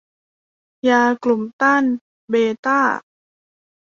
ยากลุ่มต้านเบต้า